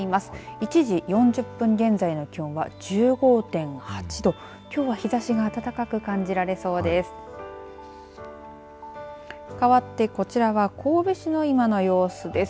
１時４０分現在の気温は１５．８度、きょうは日ざしが暖かく感じられそうです。